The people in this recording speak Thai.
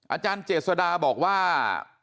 อาจารย์เจษดาบอกว่า